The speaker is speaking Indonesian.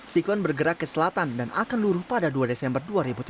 siklon bergerak ke selatan dan akan luruh pada dua desember dua ribu tujuh belas